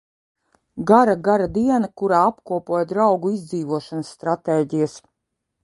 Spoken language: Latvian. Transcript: Gara, gara diena, kurā apkopoju draugu izdzīvošanas stratēģijas.